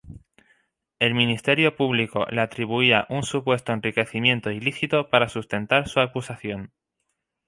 El Ministerio Público le atribuía un supuesto enriquecimiento ilícito para sustentar su acusación.